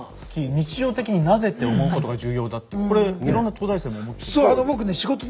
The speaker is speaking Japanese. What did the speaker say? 日常的に「なぜ？」って思うことが重要だってこれいろんな東大生も思ってる。